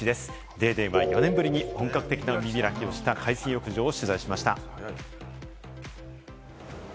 『ＤａｙＤａｙ．』は４年ぶりに本格的な海開きをした海水浴場を取材しました。